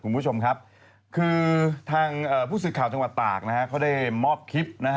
ผู้สืบข่าวจังหวะตากเค้าได้มอบคลิป